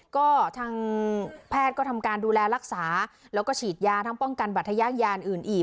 ก็ทางแพทย์ก็ทำการดูแลรักษาแล้วก็ฉีดยาทั้งป้องกันบัตทะยานอื่นอีก